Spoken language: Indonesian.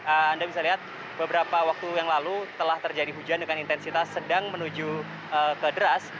anda bisa lihat beberapa waktu yang lalu telah terjadi hujan dengan intensitas sedang menuju ke deras